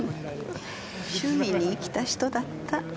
趣味に生きた人だった。